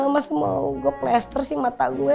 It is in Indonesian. mas mau gue plaster sih mata gue